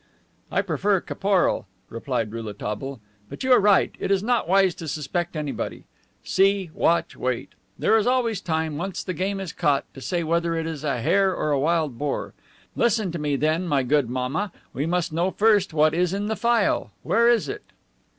"I prefer caporal," replied Rouletabille. "But you are right. It is not wise to suspect anybody. See, watch, wait. There is always time, once the game is caught, to say whether it is a hare or a wild boar. Listen to me, then, my good mamma. We must know first what is in the phial. Where is it?"